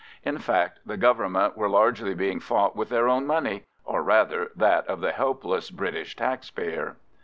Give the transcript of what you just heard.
In fact, the Government were largely being fought with their own money, or, rather, that of the helpless British taxpayer.